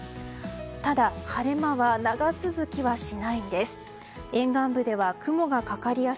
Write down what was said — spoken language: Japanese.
ただ晴れ間は長続きしないんです。